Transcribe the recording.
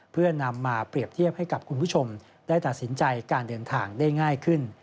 เพื่อนำมาเปรียบเทียบให้กับคุณผู้ชมได้ตัดสินใจการเดินทางได้ง่ายขึ้น